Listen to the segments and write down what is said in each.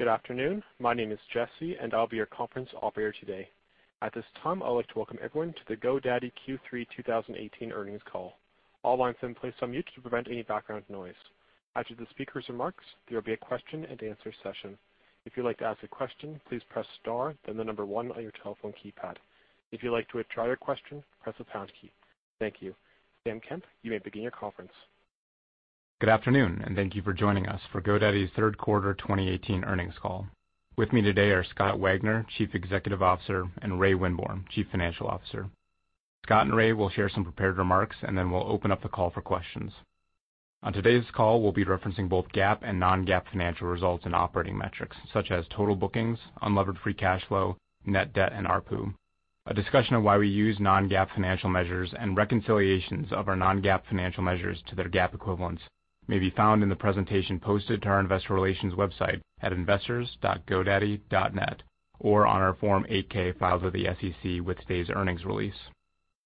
Good afternoon. My name is Jesse, and I'll be your conference operator today. At this time, I would like to welcome everyone to the GoDaddy Q3 2018 earnings call. All lines have been placed on mute to prevent any background noise. After the speaker's remarks, there will be a question and answer session. If you would like to ask a question, please press star, then the number 1 on your telephone keypad. If you would like to withdraw your question, press the pound key. Thank you. Christie Mason, you may begin your conference. Good afternoon. Thank you for joining us for GoDaddy's third quarter 2018 earnings call. With me today are Scott Wagner, Chief Executive Officer, and Ray Winborne, Chief Financial Officer. Scott and Ray will share some prepared remarks, then we'll open up the call for questions. On today's call, we'll be referencing both GAAP and non-GAAP financial results and operating metrics, such as total bookings, unlevered free cash flow, net debt, and ARPU. A discussion of why we use non-GAAP financial measures and reconciliations of our non-GAAP financial measures to their GAAP equivalents may be found in the presentation posted to our investor relations website at investors.godaddy.net or on our Form 8-K filed with the SEC with today's earnings release.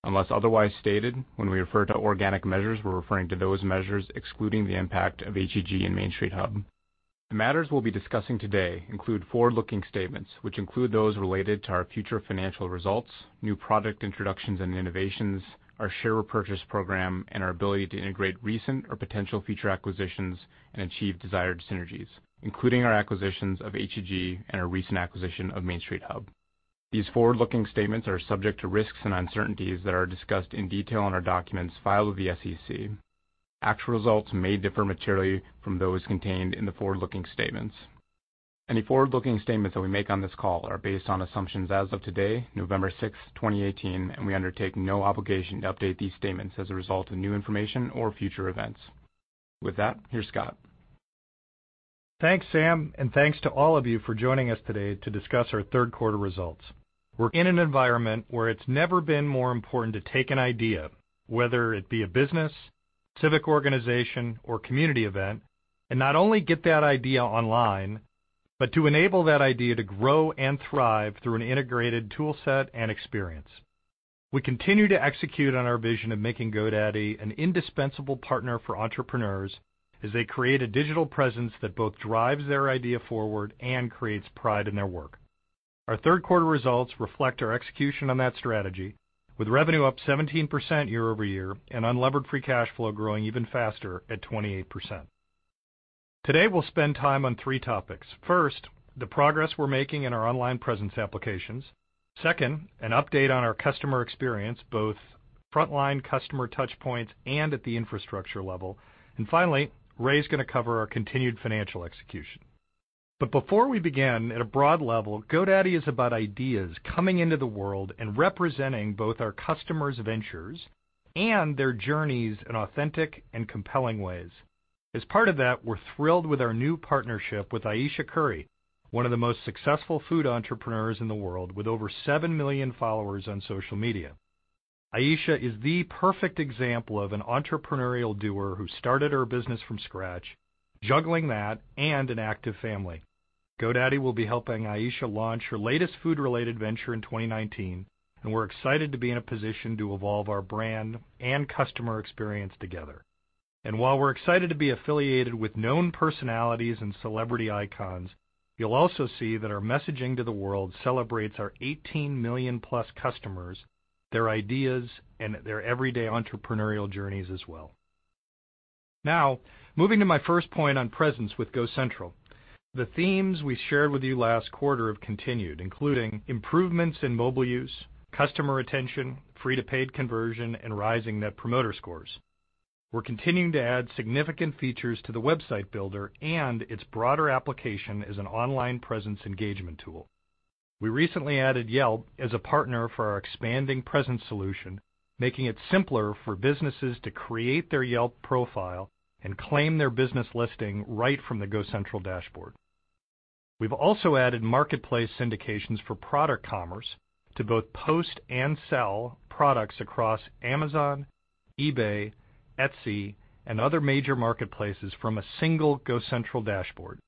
Unless otherwise stated, when we refer to organic measures, we're referring to those measures excluding the impact of HEG and Main Street Hub. The matters we'll be discussing today include forward-looking statements, which include those related to our future financial results, new product introductions and innovations, our share repurchase program, and our ability to integrate recent or potential future acquisitions and achieve desired synergies, including our acquisitions of HEG and our recent acquisition of Main Street Hub. These forward-looking statements are subject to risks and uncertainties that are discussed in detail in our documents filed with the SEC. Actual results may differ materially from those contained in the forward-looking statements. Any forward-looking statements that we make on this call are based on assumptions as of today, November 6th, 2018. We undertake no obligation to update these statements as a result of new information or future events. With that, here's Scott. Thanks, Christie Mason. Thanks to all of you for joining us today to discuss our third quarter results. We're in an environment where it's never been more important to take an idea, whether it be a business, civic organization, or community event, and not only get that idea online, but to enable that idea to grow and thrive through an integrated tool set and experience. We continue to execute on our vision of making GoDaddy an indispensable partner for entrepreneurs as they create a digital presence that both drives their idea forward and creates pride in their work. Our third quarter results reflect our execution on that strategy, with revenue up 17% year-over-year and unlevered free cash flow growing even faster at 28%. Today, we'll spend time on three topics. First, the progress we're making in our online presence applications. Second, an update on our customer experience, both frontline customer touchpoints and at the infrastructure level. Finally, Ray's going to cover our continued financial execution. Before we begin, at a broad level, GoDaddy is about ideas coming into the world and representing both our customers' ventures and their journeys in authentic and compelling ways. As part of that, we're thrilled with our new partnership with Ayesha Curry, one of the most successful food entrepreneurs in the world, with over 7 million followers on social media. Ayesha is the perfect example of an entrepreneurial doer who started her business from scratch, juggling that and an active family. GoDaddy will be helping Ayesha launch her latest food-related venture in 2019, We're excited to be in a position to evolve our brand and customer experience together. While we're excited to be affiliated with known personalities and celebrity icons, you'll also see that our messaging to the world celebrates our 18 million-plus customers, their ideas, and their everyday entrepreneurial journeys as well. Now, moving to my first point on presence with GoCentral. The themes we shared with you last quarter have continued, including improvements in mobile use, customer retention, free to paid conversion, and rising Net Promoter Scores. We're continuing to add significant features to the website builder and its broader application as an online presence engagement tool. We recently added Yelp as a partner for our expanding presence solution, making it simpler for businesses to create their Yelp profile and claim their business listing right from the GoCentral dashboard. We've also added marketplace syndications for product commerce to both post and sell products across Amazon, eBay, Etsy, and other major marketplaces from a single GoCentral dashboard.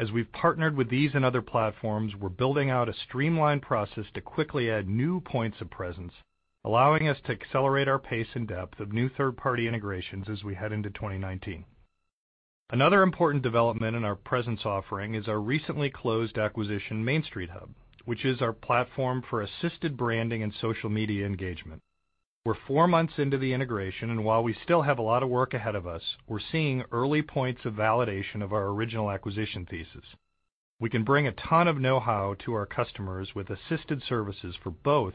As we've partnered with these and other platforms, we're building out a streamlined process to quickly add new points of presence, allowing us to accelerate our pace and depth of new third-party integrations as we head into 2019. Another important development in our presence offering is our recently closed acquisition, Main Street Hub, which is our platform for assisted branding and social media engagement. We're four months into the integration, and while we still have a lot of work ahead of us, we're seeing early points of validation of our original acquisition thesis. We can bring a ton of know-how to our customers with assisted services for both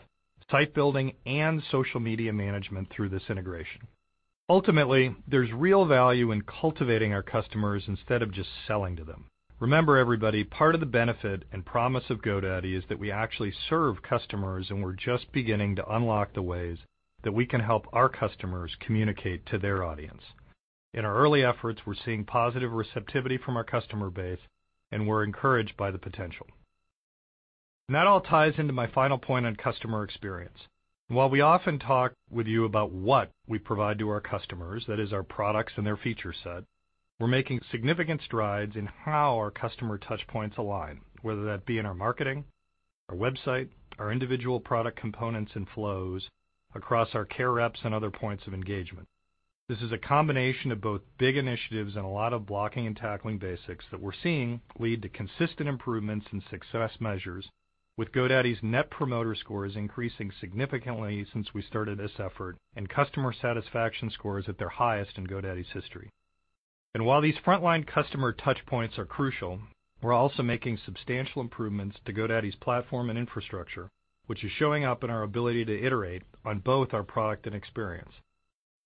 site building and social media management through this integration. Ultimately, there's real value in cultivating our customers instead of just selling to them. Remember, everybody, part of the benefit and promise of GoDaddy is that we actually serve customers, and we're just beginning to unlock the ways that we can help our customers communicate to their audience. In our early efforts, we're seeing positive receptivity from our customer base, and we're encouraged by the potential. That all ties into my final point on customer experience. While we often talk with you about what we provide to our customers, that is our products and their feature set, we're making significant strides in how our customer touchpoints align, whether that be in our marketing, our website, our individual product components and flows across our care reps and other points of engagement. This is a combination of both big initiatives and a lot of blocking and tackling basics that we're seeing lead to consistent improvements in success measures, with GoDaddy's Net Promoter Scores increasing significantly since we started this effort, and customer satisfaction scores at their highest in GoDaddy's history. While these frontline customer touchpoints are crucial, we're also making substantial improvements to GoDaddy's platform and infrastructure, which is showing up in our ability to iterate on both our product and experience.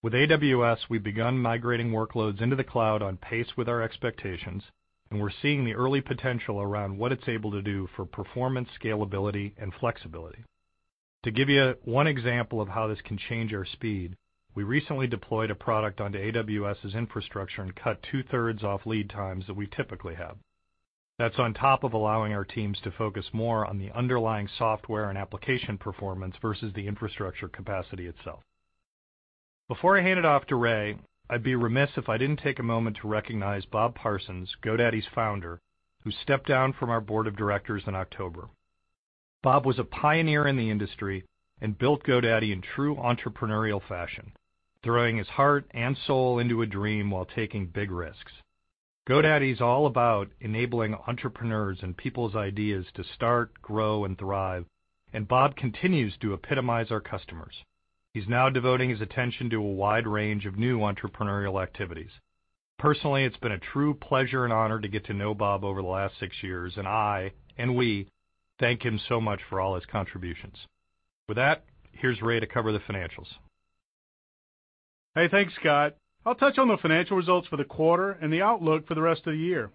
With AWS, we've begun migrating workloads into the cloud on pace with our expectations. We're seeing the early potential around what it's able to do for performance, scalability, and flexibility. To give you one example of how this can change our speed, we recently deployed a product onto AWS's infrastructure and cut two-thirds off lead times that we typically have. That's on top of allowing our teams to focus more on the underlying software and application performance versus the infrastructure capacity itself. Before I hand it off to Ray, I'd be remiss if I didn't take a moment to recognize Bob Parsons, GoDaddy's founder, who stepped down from our board of directors in October. Bob was a pioneer in the industry and built GoDaddy in true entrepreneurial fashion, throwing his heart and soul into a dream while taking big risks. GoDaddy is all about enabling entrepreneurs and people's ideas to start, grow, and thrive. Bob continues to epitomize our customers. He's now devoting his attention to a wide range of new entrepreneurial activities. Personally, it's been a true pleasure and honor to get to know Bob over the last six years. I, and we, thank him so much for all his contributions. With that, here's Ray to cover the financials. Hey, thanks, Scott. I'll touch on the financial results for the quarter and the outlook for the rest of the year.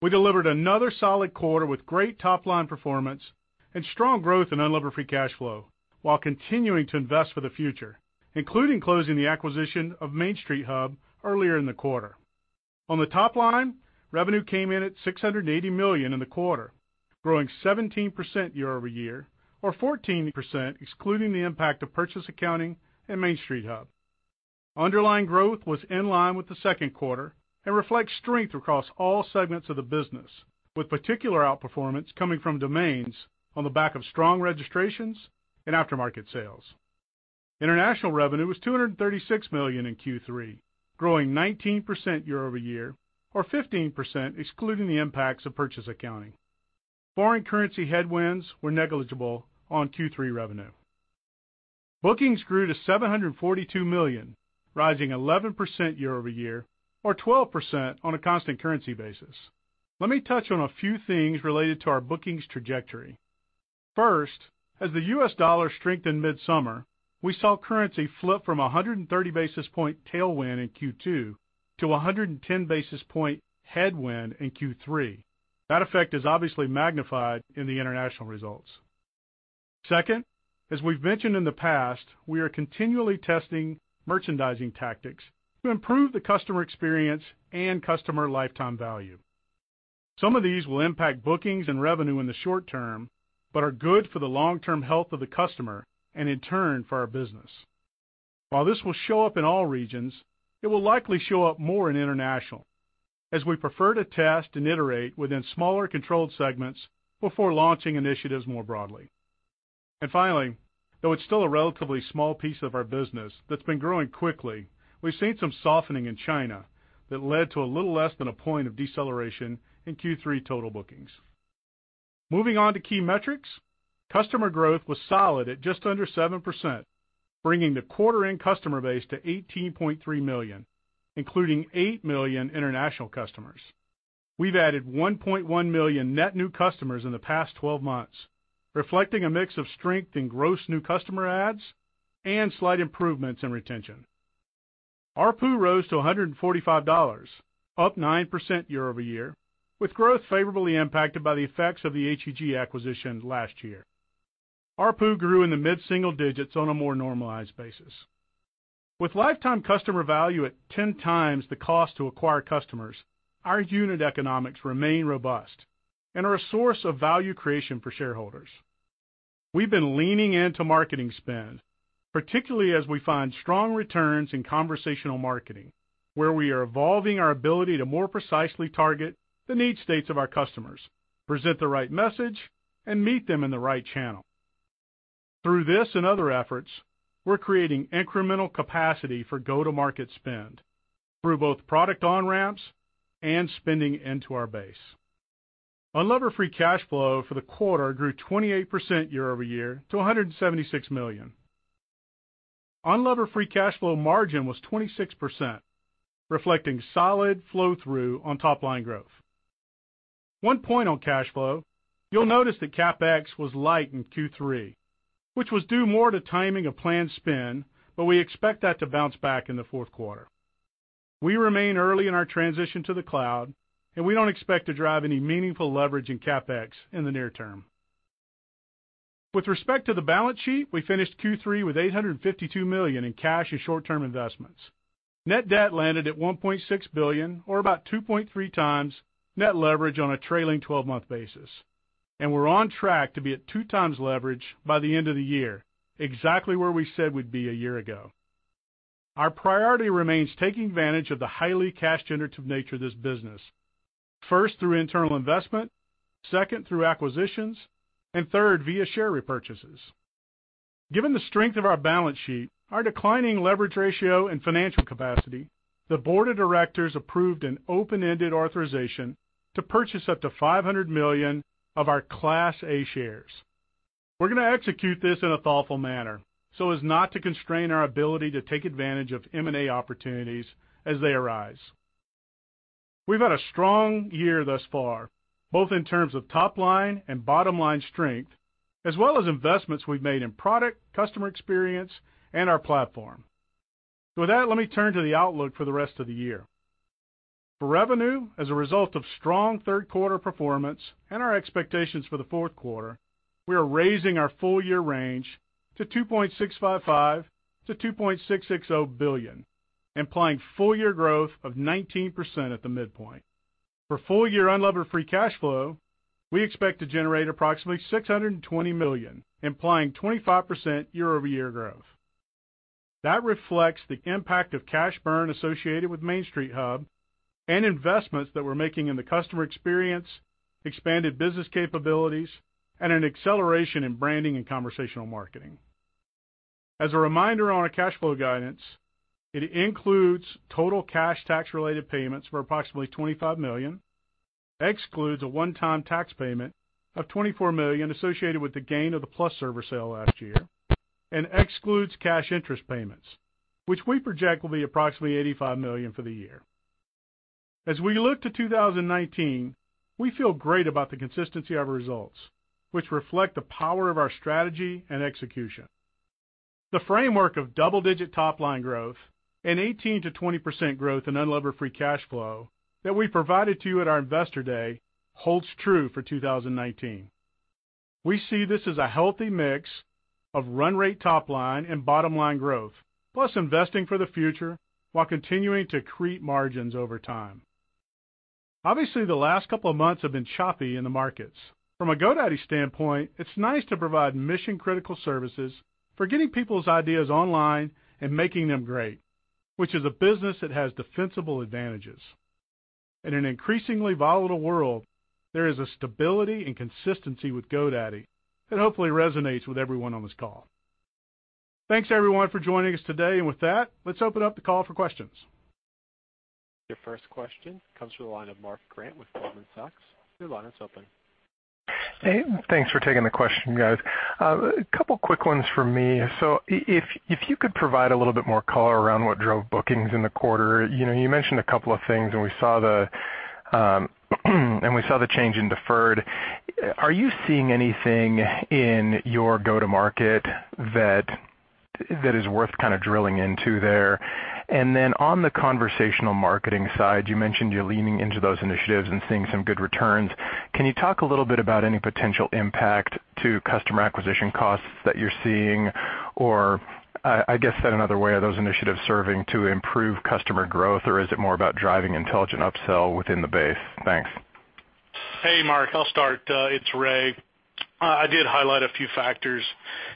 We delivered another solid quarter with great top-line performance and strong growth in unlevered free cash flow while continuing to invest for the future, including closing the acquisition of Main Street Hub earlier in the quarter. On the top line, revenue came in at $680 million in the quarter, growing 17% year-over-year or 14% excluding the impact of purchase accounting and Main Street Hub. Underlying growth was in line with the second quarter and reflects strength across all segments of the business, with particular outperformance coming from domains on the back of strong registrations and aftermarket sales. International revenue was $236 million in Q3, growing 19% year-over-year or 15% excluding the impacts of purchase accounting. Foreign currency headwinds were negligible on Q3 revenue. Bookings grew to $742 million, rising 11% year-over-year or 12% on a constant currency basis. Let me touch on a few things related to our bookings trajectory. First, as the U.S. dollar strengthened midsummer, we saw currency flip from 130-basis-point tailwind in Q2 to 110-basis-point headwind in Q3. That effect is obviously magnified in the international results. Second, as we've mentioned in the past, we are continually testing merchandising tactics to improve the customer experience and customer lifetime value. Some of these will impact bookings and revenue in the short term, but are good for the long-term health of the customer and, in turn for our business. While this will show up in all regions, it will likely show up more in international, as we prefer to test and iterate within smaller controlled segments before launching initiatives more broadly. Finally, though it's still a relatively small piece of our business that's been growing quickly, we've seen some softening in China that led to a little less than a point of deceleration in Q3 total bookings. Moving on to key metrics. Customer growth was solid at just under 7%, bringing the quarter-end customer base to 18.3 million, including eight million international customers. We've added 1.1 million net new customers in the past 12 months, reflecting a mix of strength in gross new customer adds and slight improvements in retention. ARPU rose to $145, up 9% year-over-year, with growth favorably impacted by the effects of the HEG acquisition last year. ARPU grew in the mid-single digits on a more normalized basis. With lifetime customer value at 10 times the cost to acquire customers, our unit economics remain robust and are a source of value creation for shareholders. We've been leaning into marketing spend, particularly as we find strong returns in conversational marketing, where we are evolving our ability to more precisely target the need states of our customers, present the right message, and meet them in the right channel. Through this and other efforts, we're creating incremental capacity for go-to-market spend through both product on-ramps and spending into our base. Unlevered free cash flow for the quarter grew 28% year-over-year to $176 million. Unlevered free cash flow margin was 26%, reflecting solid flow-through on top-line growth. One point on cash flow, you'll notice that CapEx was light in Q3, which was due more to timing of planned spend, but we expect that to bounce back in the fourth quarter. We remain early in our transition to the cloud, and we don't expect to drive any meaningful leverage in CapEx in the near term. With respect to the balance sheet, we finished Q3 with $852 million in cash and short-term investments. Net debt landed at $1.6 billion, or about 2.3 times net leverage on a trailing 12-month basis. We're on track to be at 2 times leverage by the end of the year, exactly where we said we'd be a year ago. Our priority remains taking advantage of the highly cash-generative nature of this business. First, through internal investment, second, through acquisitions, and third, via share repurchases. Given the strength of our balance sheet, our declining leverage ratio and financial capacity, the board of directors approved an open-ended authorization to purchase up to $500 million of our Class A shares. We're going to execute this in a thoughtful manner so as not to constrain our ability to take advantage of M&A opportunities as they arise. We've had a strong year thus far, both in terms of top-line and bottom-line strength, as well as investments we've made in product, customer experience, and our platform. With that, let me turn to the outlook for the rest of the year. For revenue, as a result of strong third quarter performance and our expectations for the fourth quarter, we are raising our full-year range to $2.655 billion-$2.660 billion, implying full-year growth of 19% at the midpoint. For full-year unlevered free cash flow, we expect to generate approximately $620 million, implying 25% year-over-year growth. That reflects the impact of cash burn associated with Main Street Hub and investments that we're making in the customer experience, expanded business capabilities, and an acceleration in branding and conversational marketing. As a reminder on our cash flow guidance, it includes total cash tax-related payments for approximately $25 million, excludes a one-time tax payment of $24 million associated with the gain of the PlusServer sale last year, and excludes cash interest payments, which we project will be approximately $85 million for the year. As we look to 2019, we feel great about the consistency of our results, which reflect the power of our strategy and execution. The framework of double-digit top-line growth and 18%-20% growth in unlevered free cash flow that we provided to you at our investor day holds true for 2019. We see this as a healthy mix of run rate top-line and bottom-line growth, plus investing for the future while continuing to accrete margins over time. Obviously, the last couple of months have been choppy in the markets. From a GoDaddy standpoint, it's nice to provide mission-critical services for getting people's ideas online and making them great, which is a business that has defensible advantages. In an increasingly volatile world, there is a stability and consistency with GoDaddy that hopefully resonates with everyone on this call. Thanks everyone for joining us today. With that, let's open up the call for questions. Your first question comes from the line of Mark Grant with Goldman Sachs. Your line is open. Hey, thanks for taking the question, guys. A couple quick ones from me. If you could provide a little bit more color around what drove bookings in the quarter. You mentioned a couple of things, and we saw the change in deferred. Are you seeing anything in your go-to-market that is worth kind of drilling into there? On the conversational marketing side, you mentioned you're leaning into those initiatives and seeing some good returns. Can you talk a little bit about any potential impact to customer acquisition costs that you're seeing? I guess said another way, are those initiatives serving to improve customer growth, or is it more about driving intelligent upsell within the base? Thanks. Hey, Mark. I'll start. It's Ray. I did highlight a few factors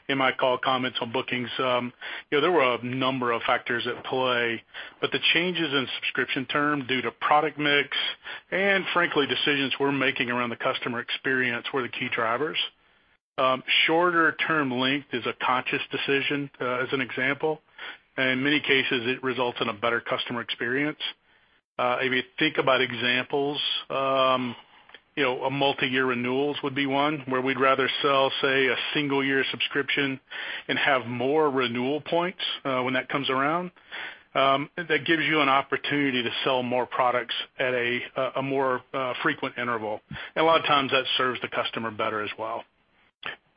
in my call comments on bookings. There were a number of factors at play, the changes in subscription term due to product mix and frankly, decisions we're making around the customer experience were the key drivers. Shorter term length is a conscious decision, as an example. In many cases, it results in a better customer experience. If you think about examples, multi-year renewals would be one, where we'd rather sell, say, a single-year subscription and have more renewal points when that comes around. That gives you an opportunity to sell more products at a more frequent interval. A lot of times, that serves the customer better as well.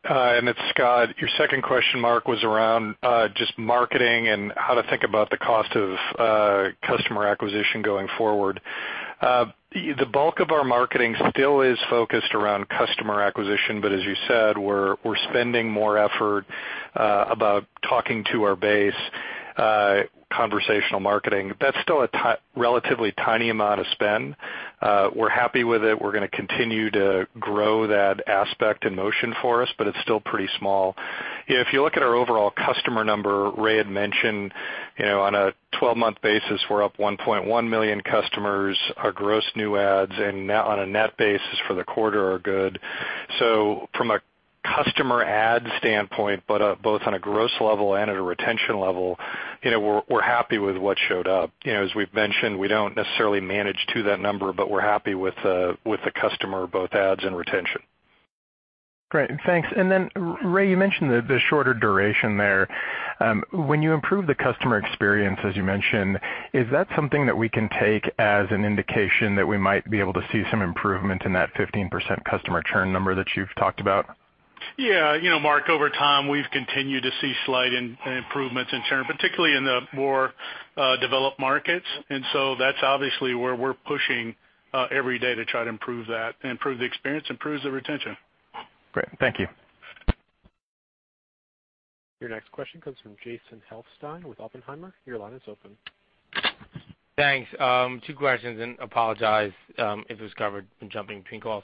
It's Scott. Your second question, Mark, was around just marketing and how to think about the cost of customer acquisition going forward. The bulk of our marketing still is focused around customer acquisition, as you said, we're spending more effort about talking to our base, conversational marketing. That's still a relatively tiny amount of spend. We're happy with it. We're going to continue to grow that aspect and motion for us, it's still pretty small. If you look at our overall customer number, Ray had mentioned on a 12-month basis, we're up 1.1 million customers. Our gross new adds on a net basis for the quarter are good. From a customer add standpoint, both on a gross level and at a retention level, we're happy with what showed up. As we've mentioned, we don't necessarily manage to that number, we're happy with the customer, both adds and retention. Great. Thanks. Ray, you mentioned the shorter duration there. When you improve the customer experience, as you mentioned, is that something that we can take as an indication that we might be able to see some improvement in that 15% customer churn number that you've talked about? Yeah. Mark, over time, we've continued to see slight improvements in churn, particularly in the more developed markets. That's obviously where we're pushing every day to try to improve that, improve the experience, improve the retention. Great. Thank you. Your next question comes from Jason Helfstein with Oppenheimer. Your line is open. Thanks. Two questions, apologize if it was covered. Been jumping between calls.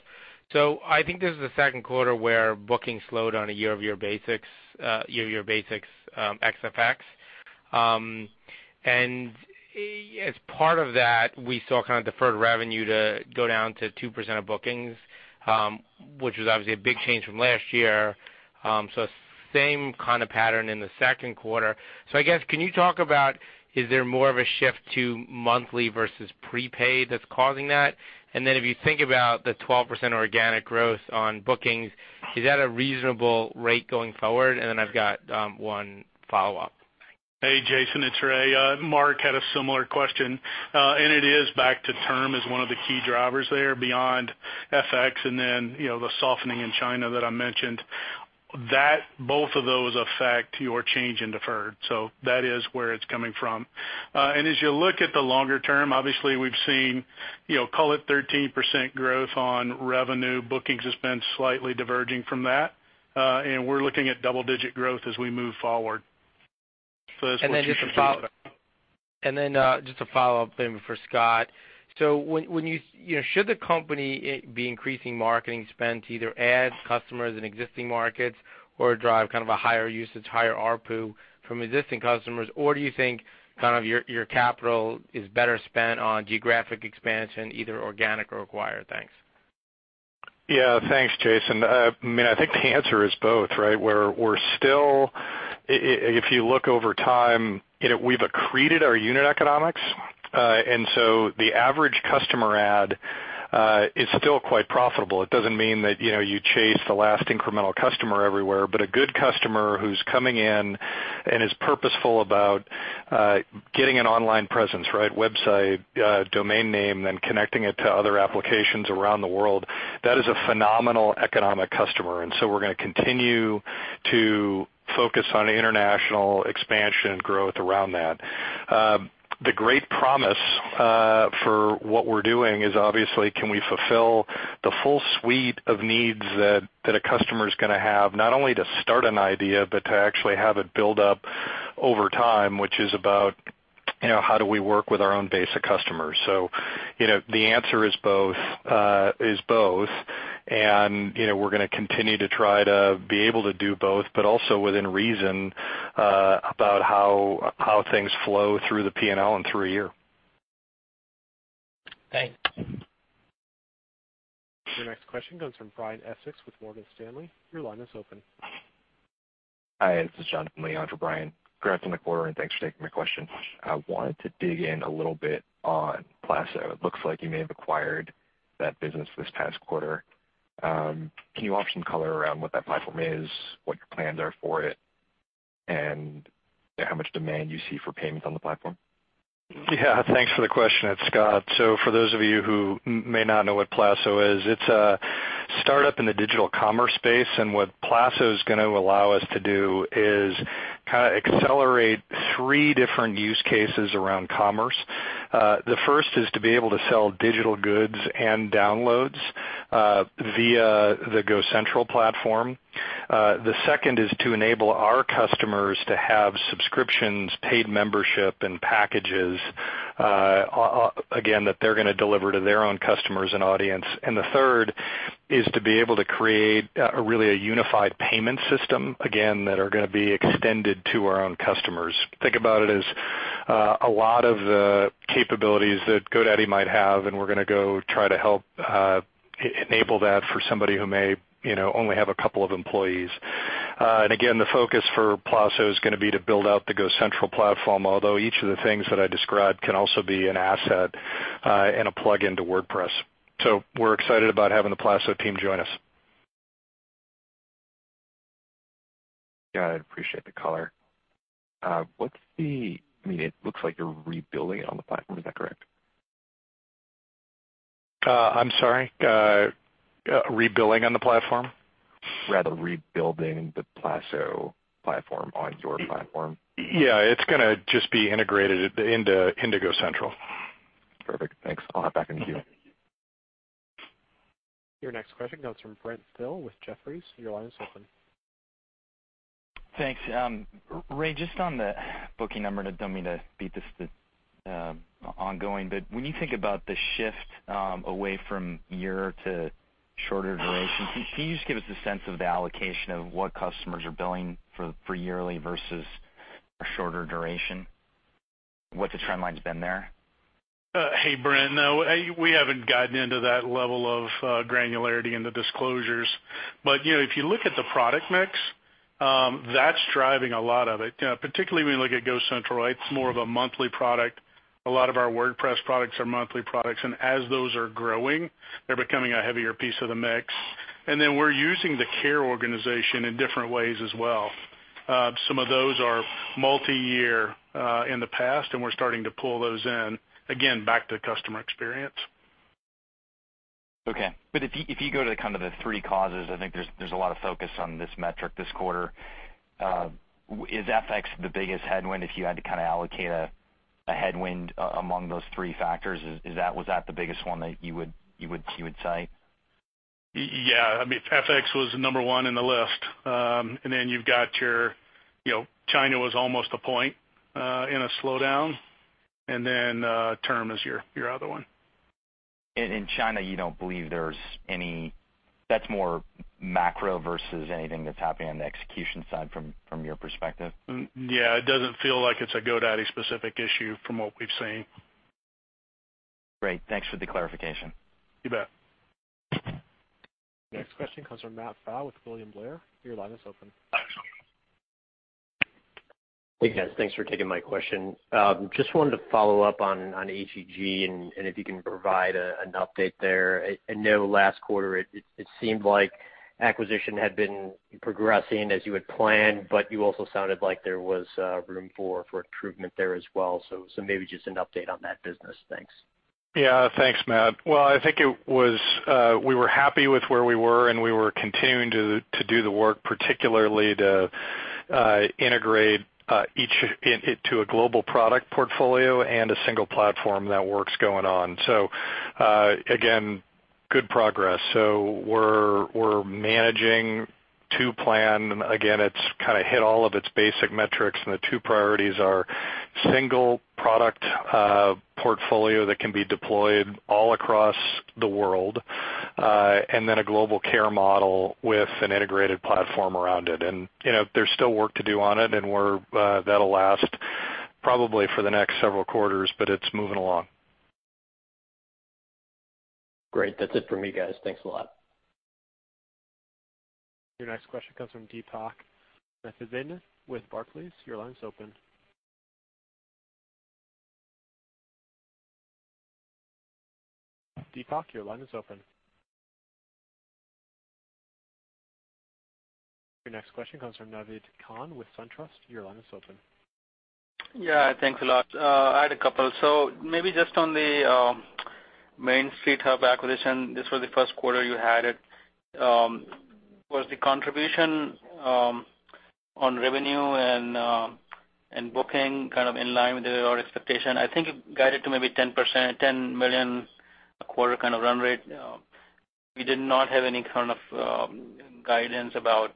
I think this is the second quarter where bookings slowed on a year-over-year basis, ex FX. As part of that, we saw kind of deferred revenue to go down to 2% of bookings, which was obviously a big change from last year, so same kind of pattern in the second quarter. I guess, can you talk about, is there more of a shift to monthly versus prepaid that's causing that? If you think about the 12% organic growth on bookings, is that a reasonable rate going forward? I've got one follow-up. Hey, Jason, it's Ray. Mark had a similar question. It is back to term as one of the key drivers there beyond FX and then, the softening in China that I mentioned. Both of those affect your change in deferred. That is where it's coming from. As you look at the longer term, obviously we've seen, call it 13% growth on revenue. Bookings has been slightly diverging from that. We're looking at double-digit growth as we move forward. That's what you should hear about. Just a follow-up then for Scott. Should the company be increasing marketing spend to either add customers in existing markets or drive kind of a higher usage, higher ARPU from existing customers? Do you think kind of your capital is better spent on geographic expansion, either organic or acquired? Thanks. Yeah. Thanks, Jason. I think the answer is both, right? If you look over time, we've accreted our unit economics. The average customer add is still quite profitable. It doesn't mean that you chase the last incremental customer everywhere, but a good customer who's coming in and is purposeful about getting an online presence, website, domain name, then connecting it to other applications around the world, that is a phenomenal economic customer. We're going to continue to focus on international expansion and growth around that. The great promise for what we're doing is obviously can we fulfill the full suite of needs that a customer's going to have, not only to start an idea, but to actually have it build up over time, which is about, how do we work with our own base of customers? The answer is both. We're going to continue to try to be able to do both, but also within reason, about how things flow through the P&L and through a year. Thanks. Your next question comes from Brian Essex with Morgan Stanley. Your line is open. Hi, this is John. Congrats on the quarter, thanks for taking my question. I wanted to dig in a little bit on Poynt. It looks like you may have acquired that business this past quarter. Can you offer some color around what that platform is, what your plans are for it, and how much demand you see for payments on the platform? Yeah, thanks for the question. It's Scott. For those of you who may not know what Poynt is, it's a startup in the digital commerce space. What Poynt's going to allow us to do is kind of accelerate three different use cases around commerce. The first is to be able to sell digital goods and downloads via the GoCentral platform. The second is to enable our customers to have subscriptions, paid membership, and packages, again, that they're going to deliver to their own customers and audience. The third is to be able to create really a unified payment system, again, that are going to be extended to our own customers. Think about it as a lot of the capabilities that GoDaddy might have, and we're going to go try to help enable that for somebody who may only have a couple of employees. Again, the focus for Poynt is going to be to build out the GoCentral platform, although each of the things that I described can also be an asset and a plug-in to WordPress. We're excited about having the Poynt team join us. Yeah, I appreciate the color. It looks like you're rebuilding it on the platform. Is that correct? I'm sorry. Rebuilding on the platform? Rather rebuilding the Poynt platform on your platform. Yeah, it's going to just be integrated into GoCentral. Perfect. Thanks. I'll hop back in the queue. Your next question comes from Brent Thill with Jefferies. Your line is open. Thanks. Ray, just on the booking number, and I don't mean to beat this ongoing, but when you think about the shift away from year to shorter duration, can you just give us a sense of the allocation of what customers are billing for yearly versus a shorter duration? What the trend line's been there? Hey, Brent. No, we haven't gotten into that level of granularity in the disclosures. If you look at the product mix, that's driving a lot of it. Particularly when you look at GoCentral, it's more of a monthly product. A lot of our WordPress products are monthly products, and as those are growing, they're becoming a heavier piece of the mix. Then we're using the care organization in different ways as well. Some of those are multi-year in the past, and we're starting to pull those in, again, back to customer experience. Okay. If you go to kind of the three causes, I think there's a lot of focus on this metric this quarter. Is FX the biggest headwind if you had to kind of allocate a headwind among those three factors? Was that the biggest one that you would cite? Yeah. FX was number 1 in the list. You've got your, China was almost a point in a slowdown, term is your other one. In China, you don't believe there's any that's more macro versus anything that's happening on the execution side from your perspective? Yeah. It doesn't feel like it's a GoDaddy specific issue from what we've seen. Great. Thanks for the clarification. You bet. Next question comes from Matt Pfau with William Blair. Your line is open. Hey, guys. Thanks for taking my question. Just wanted to follow up on HEG and if you can provide an update there. I know last quarter it seemed like acquisition had been progressing as you had planned, but you also sounded like there was room for improvement there as well. Maybe just an update on that business. Thanks. Yeah. Thanks, Matt. Well, I think we were happy with where we were, and we were continuing to do the work, particularly to integrate HEG to a global product portfolio and a single platform. That work's going on. Again, good progress. We're managing to plan. Again, it's kind of hit all of its basic metrics, and the two priorities are single product portfolio that can be deployed all across the world, and then a global care model with an integrated platform around it. There's still work to do on it, and that'll last probably for the next several quarters, but it's moving along. Great. That's it for me, guys. Thanks a lot. Your next question comes from Deepak Mathivanan with Barclays. Your line is open. Deepak, your line is open. Your next question comes from Naved Khan with SunTrust. Your line is open. Yeah, thanks a lot. I had a couple. Maybe just on the Main Street Hub acquisition, this was the first quarter you had it. Was the contribution on revenue and booking kind of in line with your expectation? I think you guided to maybe $10 million a quarter kind of run rate. We did not have any kind of guidance about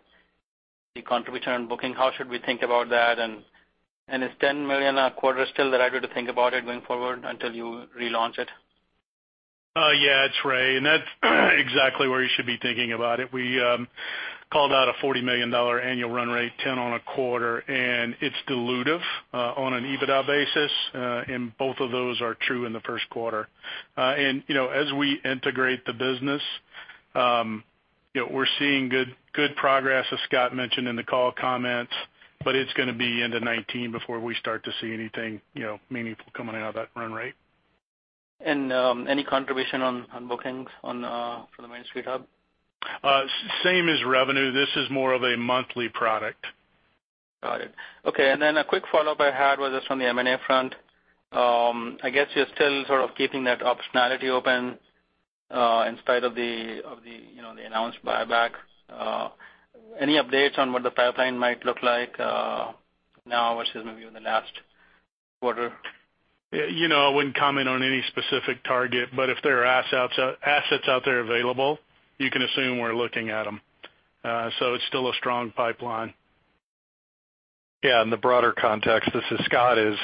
the contribution on booking. How should we think about that? And is $10 million a quarter still the right way to think about it going forward until you relaunch it? Yeah, it's Ray, that's exactly where you should be thinking about it. We called out a $40 million annual run rate, $10 million on a quarter, it's dilutive on an EBITDA basis, both of those are true in the first quarter. As we integrate the business, we're seeing good progress, as Scott mentioned in the call comments, it's gonna be into 2019 before we start to see anything meaningful coming out of that run rate. Any contribution on bookings for the Main Street Hub? Same as revenue. This is more of a monthly product. Got it. Okay, a quick follow-up I had was just on the M&A front. I guess you're still sort of keeping that optionality open in spite of the announced buyback. Any updates on what the pipeline might look like now versus maybe in the last quarter? I wouldn't comment on any specific target, but if there are assets out there available, you can assume we're looking at them. It's still a strong pipeline. Yeah, in the broader context, this is Scott, is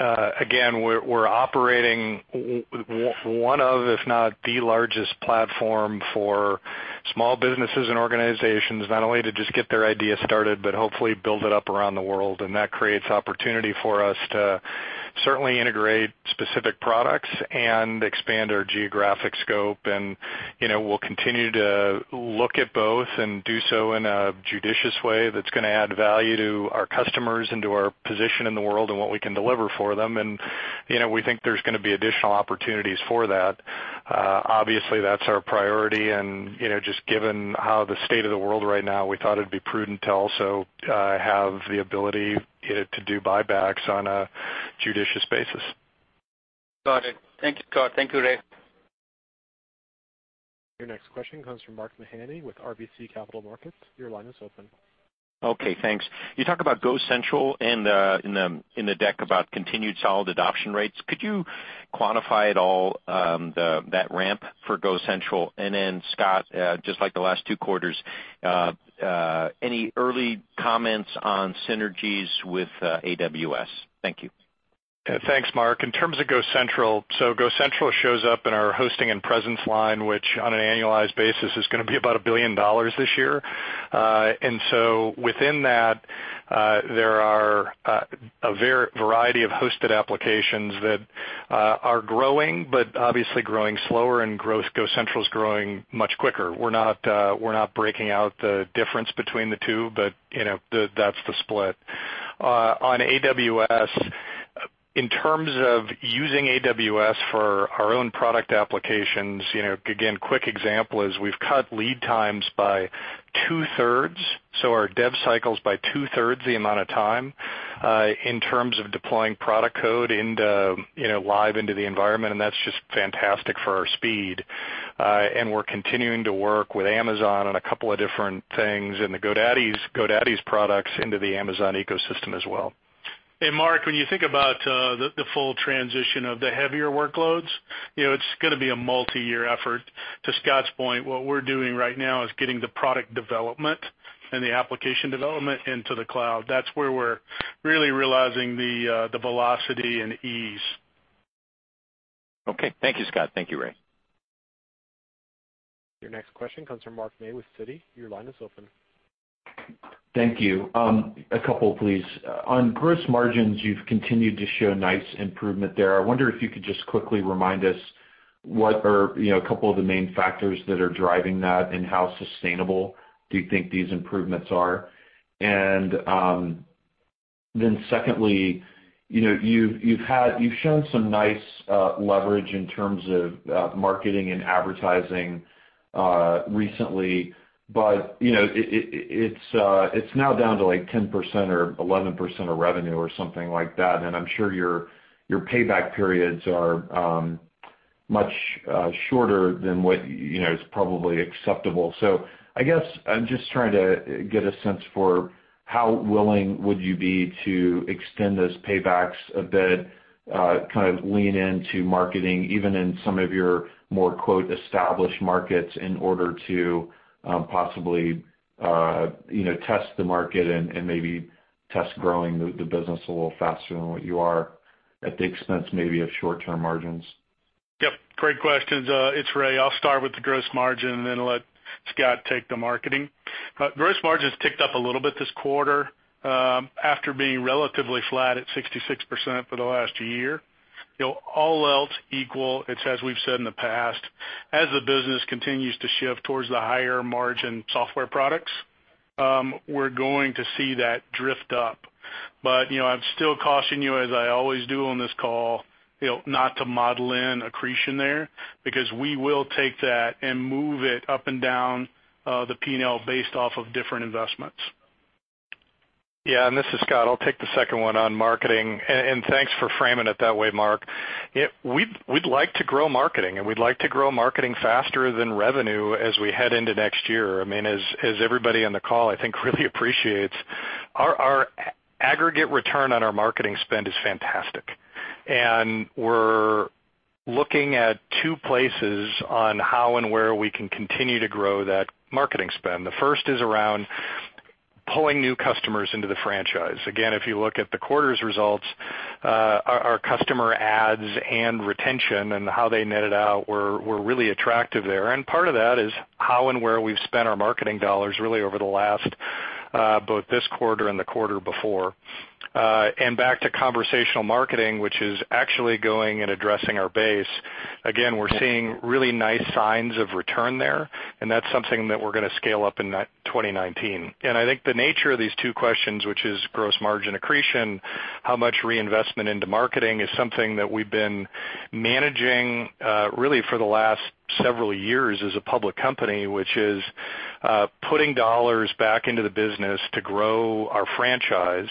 again, we're operating one of, if not the largest platform for small businesses and organizations, not only to just get their idea started, but hopefully build it up around the world. That creates opportunity for us to certainly integrate specific products and expand our geographic scope. We'll continue to look at both and do so in a judicious way that's gonna add value to our customers and to our position in the world and what we can deliver for them. We think there's gonna be additional opportunities for that. Obviously, that's our priority, and just given how the state of the world right now, we thought it'd be prudent to also have the ability to do buybacks on a judicious basis. Got it. Thank you, Scott. Thank you, Ray. Your next question comes from Mark Mahaney with RBC Capital Markets. Your line is open. Okay, thanks. You talk about GoCentral in the deck about continued solid adoption rates. Could you quantify at all that ramp for GoCentral? Scott, just like the last two quarters, any early comments on synergies with AWS? Thank you. Thanks, Mark. In terms of GoCentral shows up in our hosting and presence line, which on an annualized basis is going to be about $1 billion this year. Within that, there are a variety of hosted applications that are growing, but obviously growing slower and GoCentral's growing much quicker. We're not breaking out the difference between the two, but that's the split. On AWS, in terms of using AWS for our own product applications, again, quick example is we've cut lead times by two-thirds. Our dev cycles by two-thirds the amount of time in terms of deploying product code live into the environment, and that's just fantastic for our speed. We're continuing to work with Amazon on a couple of different things, and the GoDaddy's products into the Amazon ecosystem as well. Mark, when you think about the full transition of the heavier workloads, it's going to be a multi-year effort. To Scott's point, what we're doing right now is getting the product development and the application development into the cloud. That's where we're really realizing the velocity and ease. Okay. Thank you, Scott. Thank you, Ray. Your next question comes from Mark May with Citi. Your line is open. Thank you. A couple, please. On gross margins, you've continued to show nice improvement there. I wonder if you could just quickly remind us what are a couple of the main factors that are driving that, and how sustainable do you think these improvements are? Secondly, you've shown some nice leverage in terms of marketing and advertising recently, but it's now down to 10% or 11% of revenue or something like that, and I'm sure your payback periods are much shorter than what is probably acceptable. I guess I'm just trying to get a sense for how willing would you be to extend those paybacks a bit, kind of lean into marketing, even in some of your more, quote, "established markets" in order to possibly test the market and maybe test growing the business a little faster than what you are at the expense maybe of short-term margins? Yep, great questions. It's Ray. I'll start with the gross margin and then let Scott take the marketing. Gross margin's ticked up a little bit this quarter, after being relatively flat at 66% for the last year. All else equal, it's as we've said in the past, as the business continues to shift towards the higher-margin software products, we're going to see that drift up. I'd still caution you, as I always do on this call, not to model in accretion there, because we will take that and move it up and down the P&L based off of different investments. Yeah. This is Scott. I'll take the second one on marketing. Thanks for framing it that way, Mark. We'd like to grow marketing, and we'd like to grow marketing faster than revenue as we head into next year. As everybody on the call, I think, really appreciates, our aggregate return on our marketing spend is fantastic. We're looking at two places on how and where we can continue to grow that marketing spend. The first is around pulling new customers into the franchise. Again, if you look at the quarter's results, our customer adds and retention and how they netted out were really attractive there, and part of that is how and where we've spent our marketing dollars, really over the last, both this quarter and the quarter before. Back to conversational marketing, which is actually going and addressing our base. Again, we're seeing really nice signs of return there, and that's something that we're going to scale up in 2019. I think the nature of these two questions, which is gross margin accretion, how much reinvestment into marketing, is something that we've been managing, really for the last several years as a public company, which is putting dollars back into the business to grow our franchise,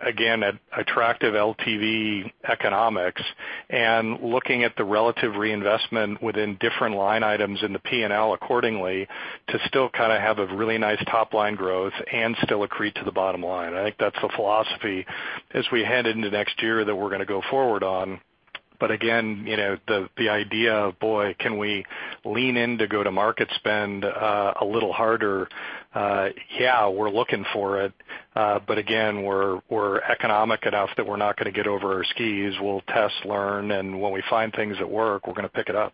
again, at attractive LTV economics, and looking at the relative reinvestment within different line items in the P&L accordingly to still kind of have a really nice top-line growth and still accrete to the bottom line. I think that's the philosophy as we head into next year that we're going to go forward on. Again, the idea of, boy, can we lean in to go-to-market spend a little harder? Yeah, we're looking for it. Again, we're economic enough that we're not going to get over our skis. We'll test, learn, and when we find things that work, we're going to pick it up.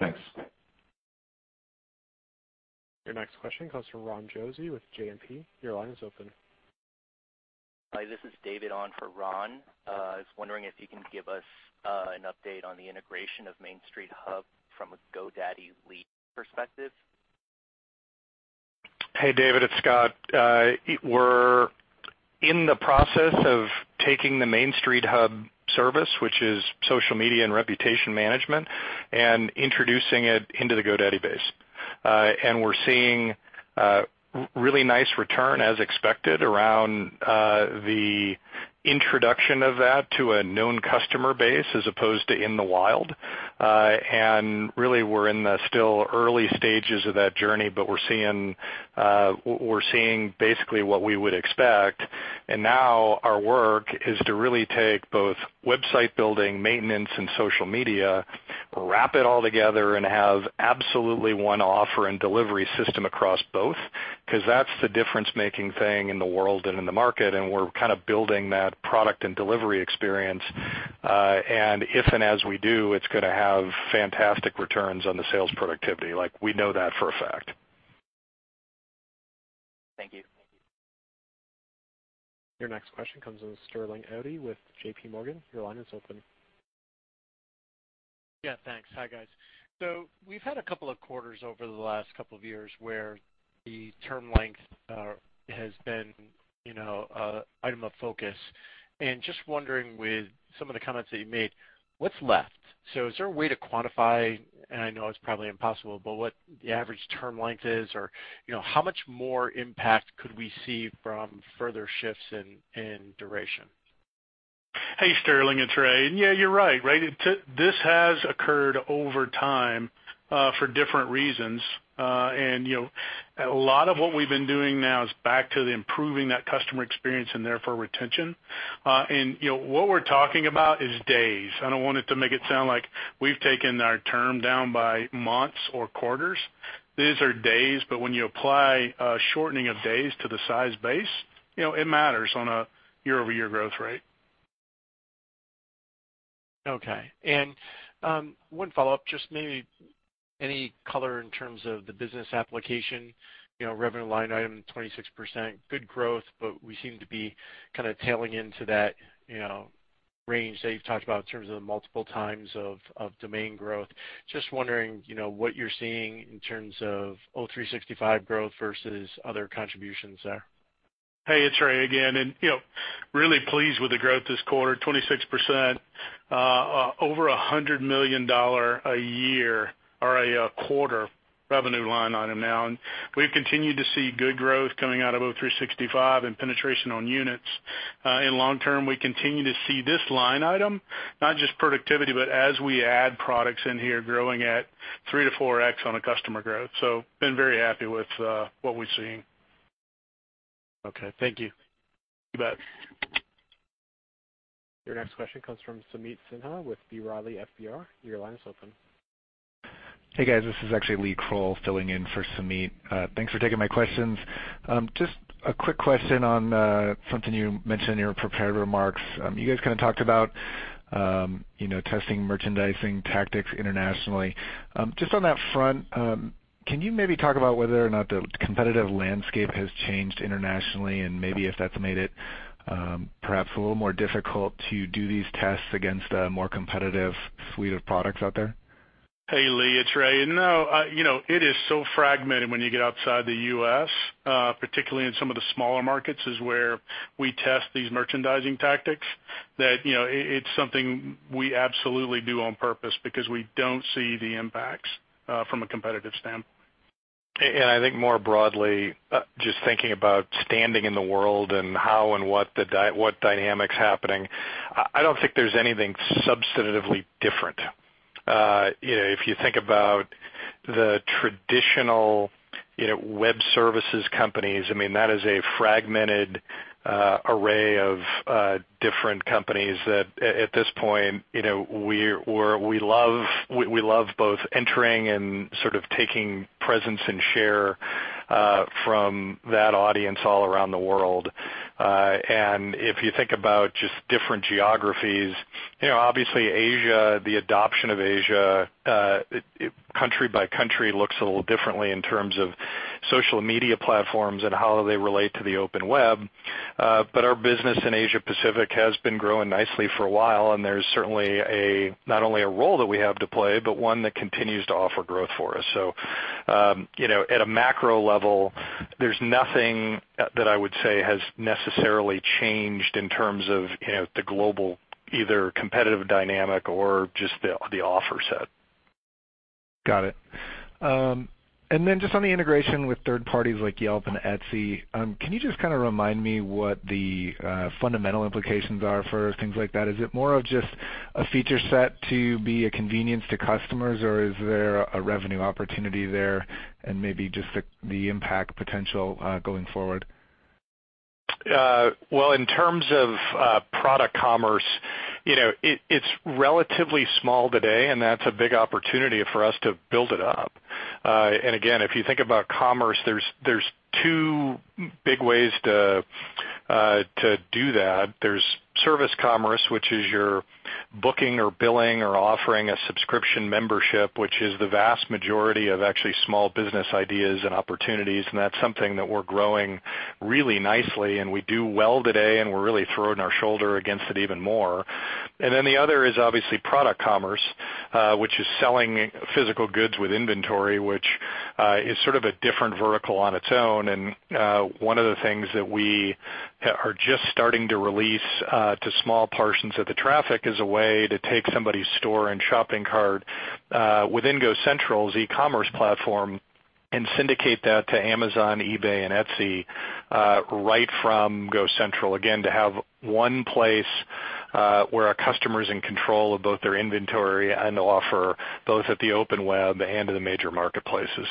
Thanks. Your next question comes from Ron Josey with JMP. Your line is open. Hi, this is David on for Ron. I was wondering if you can give us an update on the integration of Main Street Hub from a GoDaddy lead perspective. Hey, David, it's Scott. We're in the process of taking the Main Street Hub service, which is social media and reputation management, and introducing it into the GoDaddy base. We're seeing a really nice return, as expected, around the introduction of that to a known customer base as opposed to in the wild. Really, we're in the still early stages of that journey, but we're seeing basically what we would expect. Now our work is to really take both website building, maintenance, and social media, wrap it all together, and have absolutely one offer and delivery system across both, because that's the difference-making thing in the world and in the market, and we're kind of building that product and delivery experience. If and as we do, it's going to have fantastic returns on the sales productivity. We know that for a fact. Thank you. Your next question comes in with Sterling Auty with JPMorgan. Your line is open. Thanks. Hi, guys. We've had a couple of quarters over the last couple of years where the term length has been an item of focus. Just wondering with some of the comments that you've made, what's left? Is there a way to quantify, and I know it's probably impossible, but what the average term length is, or how much more impact could we see from further shifts in duration? Hey, Sterling, it's Ray. Yeah, you're right. This has occurred over time for different reasons. A lot of what we've been doing now is back to the improving that customer experience and therefore retention. What we're talking about is days. I don't want it to make it sound like we've taken our term down by months or quarters. These are days, but when you apply a shortening of days to the size base, it matters on a year-over-year growth rate. Okay. One follow-up, just maybe any color in terms of the business application, revenue line item 26%. Good growth, but we seem to be kind of tailing into that range that you've talked about in terms of the multiple times of domain growth. Just wondering what you're seeing in terms of O365 growth versus other contributions there. Hey, it's Ray again. Really pleased with the growth this quarter, 26%, over $100 million a year or a quarter revenue line item now. We've continued to see good growth coming out of O365 and penetration on units. In long term, we continue to see this line item, not just productivity, but as we add products in here, growing at 3x to 4x on a customer growth. Been very happy with what we're seeing. Okay. Thank you. You bet. Your next question comes from Sameet Sinha with B. Riley FBR. Your line is open. Hey, guys, this is actually Lee Krowl filling in for Sameet. Thanks for taking my questions. Just a quick question on something you mentioned in your prepared remarks. You guys kind of talked about testing merchandising tactics internationally. Just on that front, can you maybe talk about whether or not the competitive landscape has changed internationally and maybe if that's made it perhaps a little more difficult to do these tests against a more competitive suite of products out there? Hey, Lee, it's Ray. No. It is so fragmented when you get outside the U.S., particularly in some of the smaller markets, is where we test these merchandising tactics that it's something we absolutely do on purpose because we don't see the impacts from a competitive standpoint. I think more broadly, just thinking about standing in the world and how and what dynamics happening, I don't think there's anything substantively different. If you think about the traditional web services companies, that is a fragmented array of different companies that at this point, we love both entering and sort of taking presence and share from that audience all around the world. If you think about just different geographies, obviously Asia, the adoption of Asia, country by country looks a little differently in terms of social media platforms and how they relate to the open web. Our business in Asia Pacific has been growing nicely for a while, and there's certainly not only a role that we have to play, but one that continues to offer growth for us. At a macro level, there's nothing that I would say has necessarily changed in terms of the global, either competitive dynamic or just the offer set. Got it. Just on the integration with third parties like Yelp and Etsy, can you just kind of remind me what the fundamental implications are for things like that? Is it more of just a feature set to be a convenience to customers, or is there a revenue opportunity there and maybe just the impact potential going forward? Well, in terms of product commerce, it's relatively small today, that's a big opportunity for us to build it up. Again, if you think about commerce, there's two big ways to do that. There's service commerce, which is your booking or billing or offering a subscription membership, which is the vast majority of actually small business ideas and opportunities, that's something that we're growing really nicely and we do well today, and we're really throwing our shoulder against it even more. Then the other is obviously product commerce, which is selling physical goods with inventory, which is sort of a different vertical on its own. One of the things that we are just starting to release to small portions of the traffic is a way to take somebody's store and shopping cart within GoCentral's e-commerce platform and syndicate that to Amazon, eBay, and Etsy right from GoCentral. Again, to have one place where a customer is in control of both their inventory and the offer, both at the open web and in the major marketplaces.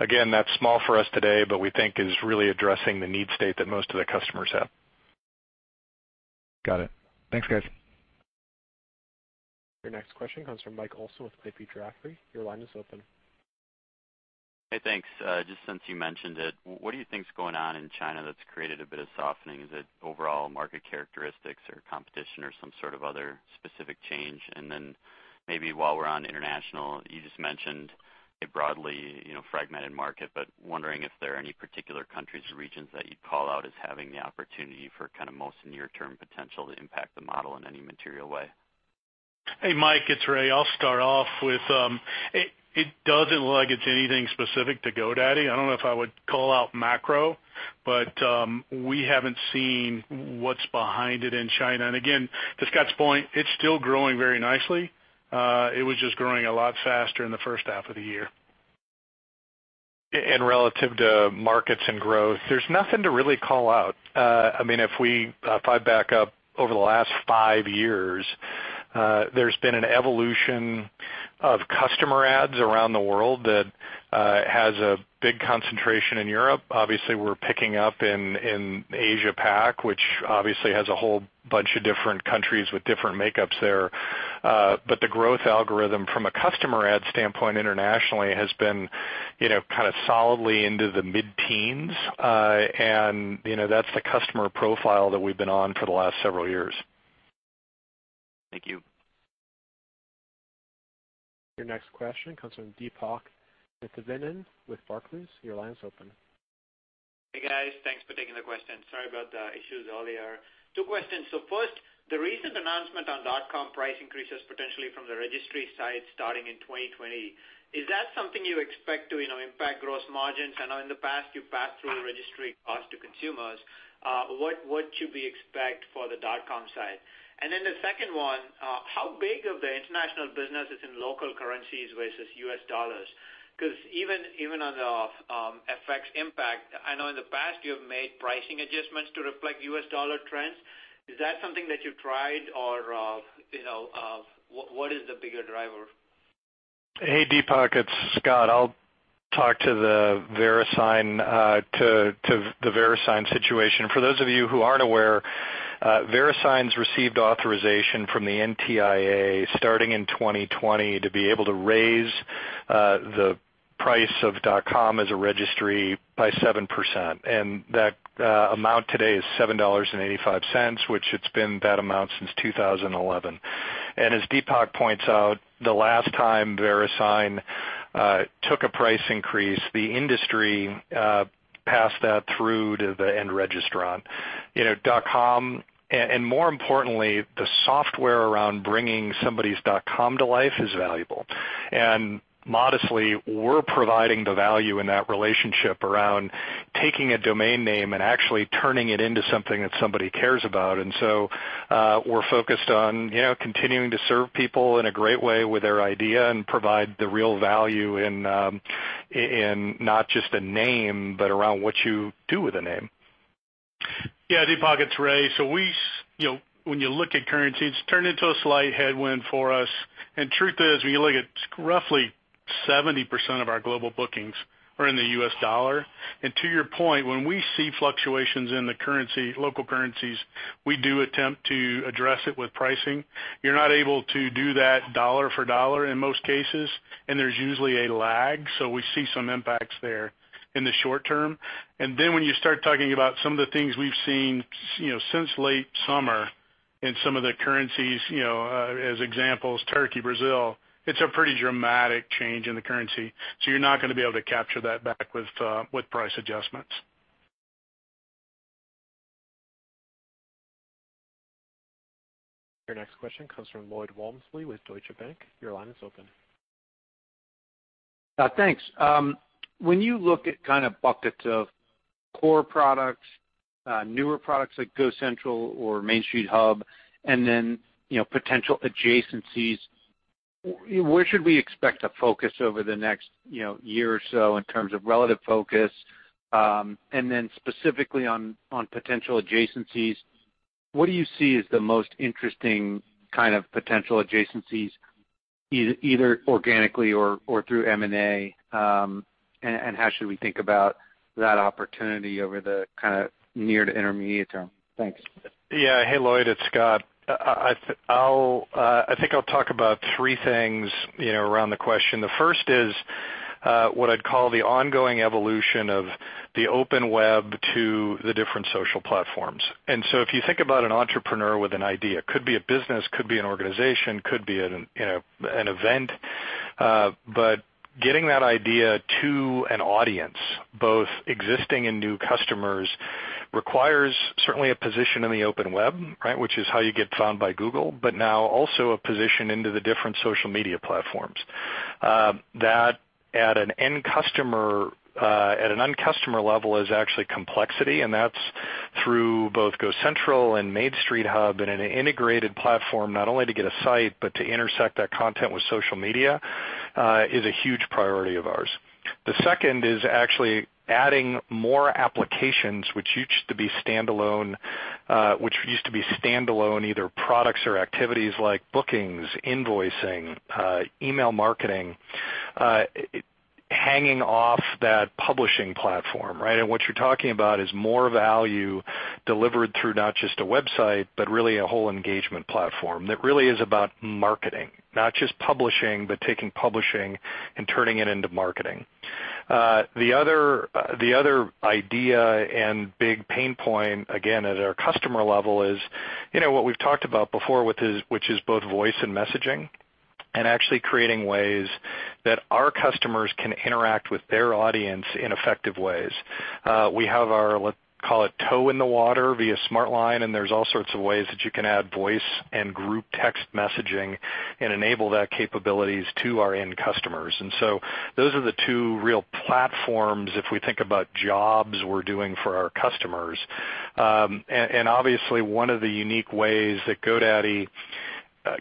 Again, that's small for us today, but we think is really addressing the need state that most of the customers have. Got it. Thanks, guys. Your next question comes from Michael Olson with Piper Jaffray. Your line is open. Hey, thanks. Just since you mentioned it, what do you think is going on in China that's created a bit of softening? Is it overall market characteristics or competition or some sort of other specific change? Maybe while we're on international, you just mentioned a broadly fragmented market, but wondering if there are any particular countries or regions that you'd call out as having the opportunity for kind of most near-term potential to impact the model in any material way. Hey, Mike, it's Ray. I'll start off with, it doesn't look like it's anything specific to GoDaddy. I don't know if I would call out macro, but we haven't seen what's behind it in China. To Scott's point, it's still growing very nicely. It was just growing a lot faster in the first half of the year. Relative to markets and growth, there's nothing to really call out. If I back up over the last five years, there's been an evolution of customer add around the world that has a big concentration in Europe. Obviously, we're picking up in Asia Pac, which obviously has a whole bunch of different countries with different makeups there. The growth algorithm from a customer add standpoint internationally has been kind of solidly into the mid-teens, and that's the customer profile that we've been on for the last several years. Thank you. Your next question comes from Deepak Mathivanan with Barclays. Your line is open. Hey, guys. Thanks for taking the question. Sorry about the issues earlier. Two questions. First, the recent announcement on .com price increases potentially from the registry side starting in 2020, is that something you expect to impact gross margins? I know in the past you passed through the registry cost to consumers. What should we expect for the .com side? The second one, how big of the international business is in local currencies versus U.S. dollars? Even on the FX impact, I know in the past you have made pricing adjustments to reflect U.S. dollar trends. Is that something that you tried, or what is the bigger driver? Hey, Deepak, it's Scott. I'll talk to the Verisign situation. For those of you who aren't aware, Verisign's received authorization from the NTIA starting in 2020 to be able to raise the price of .com as a registry by 7%, and that amount today is $7.85, which it's been that amount since 2011. As Deepak points out, the last time Verisign took a price increase, the industry passed that through to the end registrant. .com, and more importantly, the software around bringing somebody's .com to life is valuable. Modestly, we're providing the value in that relationship around taking a domain name and actually turning it into something that somebody cares about. We're focused on continuing to serve people in a great way with their idea, and provide the real value in not just a name, but around what you do with a name. Yeah. Deepak, it's Ray. When you look at currency, it's turned into a slight headwind for us. Truth is, when you look at roughly 70% of our global bookings are in the U.S. dollar. To your point, when we see fluctuations in the local currencies, we do attempt to address it with pricing. You're not able to do that dollar for dollar in most cases, and there's usually a lag, so we see some impacts there in the short term. When you start talking about some of the things we've seen since late summer in some of the currencies, as examples, Turkey, Brazil, it's a pretty dramatic change in the currency, so you're not going to be able to capture that back with price adjustments. Your next question comes from Lloyd Walmsley with Deutsche Bank. Your line is open. Thanks. When you look at kind of buckets of core products, newer products like GoCentral or Main Street Hub, then specifically on potential adjacencies, what do you see as the most interesting kind of potential adjacencies, either organically or through M&A, and how should we think about that opportunity over the kind of near to intermediate term? Thanks. Yeah. Hey, Lloyd, it's Scott. I think I'll talk about three things around the question. The first is what I'd call the ongoing evolution of the open web to the different social platforms. If you think about an entrepreneur with an idea, could be a business, could be an organization, could be an event, but getting that idea to an audience, both existing and new customers, requires certainly a position in the open web, right, which is how you get found by Google, but now also a position into the different social media platforms. That at an end customer level is actually complexity, and that's through both GoCentral and Main Street Hub, and in an integrated platform, not only to get a site, but to intersect that content with social media, is a huge priority of ours. The second is actually adding more applications which used to be standalone, either products or activities like bookings, invoicing, email marketing, hanging off that publishing platform, right? What you're talking about is more value delivered through not just a website, but really a whole engagement platform that really is about marketing. Not just publishing, but taking publishing and turning it into marketing. The other idea and big pain point, again, at our customer level is what we've talked about before, which is both voice and messaging, and actually creating ways that our customers can interact with their audience in effective ways. We have our, let's call it toe in the water via SmartLine, and there's all sorts of ways that you can add voice and group text messaging and enable that capabilities to our end customers. Those are the two real platforms, if we think about jobs we're doing for our customers. Obviously, one of the unique ways that GoDaddy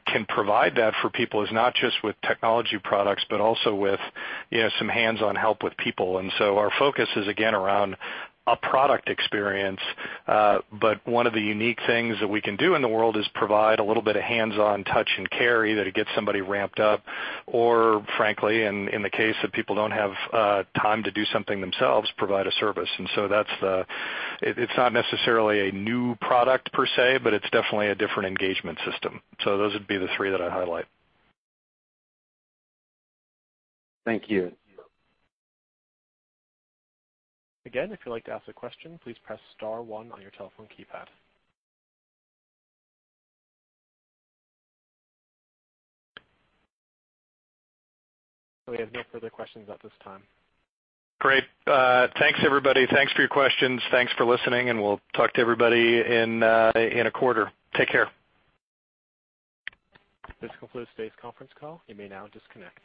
can provide that for people is not just with technology products, but also with some hands-on help with people. Our focus is, again, around a product experience. One of the unique things that we can do in the world is provide a little bit of hands-on touch and care either to get somebody ramped up or, frankly, in the case that people don't have time to do something themselves, provide a service. It's not necessarily a new product per se, but it's definitely a different engagement system. Those would be the three that I highlight. Thank you. Again, if you'd like to ask a question, please press *1 on your telephone keypad. We have no further questions at this time. Great. Thanks, everybody. Thanks for your questions. Thanks for listening, and we'll talk to everybody in a quarter. Take care. This concludes today's conference call. You may now disconnect.